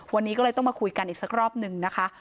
วันนี้ก็เลยต้องมาคุยกันอีกสักรอบหนึ่งนะคะ